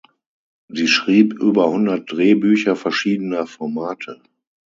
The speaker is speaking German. Sie schrieb über hundert Drehbücher verschiedener Formate.